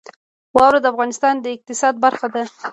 واوره د افغانستان د اقتصاد برخه ده.